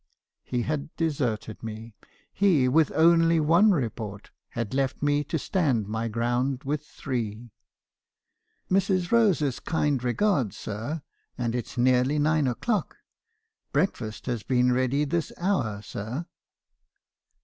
"He had deserted me. He — with only one report — had left me to stand my ground with three. " 'Mrs. Rose's kind regards, sir, and it 's nearly nine o'clock. Breakfast has been ready this hour, sir."